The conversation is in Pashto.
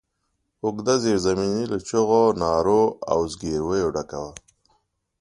اوږده زېرزميني له چيغو، نارو او زګرويو ډکه وه.